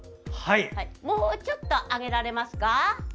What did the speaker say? もうちょっと上げられますか？